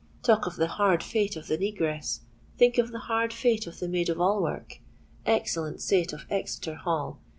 Talk of the hard fate of the negress—think of the hard fate of the maid of all work! Excellent saint of Exeter Hall!